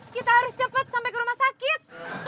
kita harus cepat sampai ke rumah sakit